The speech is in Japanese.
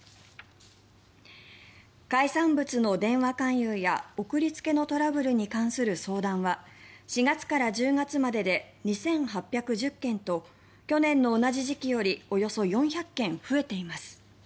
海産物の電話勧誘や送りつけのトラブルに関する相談は４月から１０月までで２８１０件と去年の同じ時期よりおよそ４００件増えています。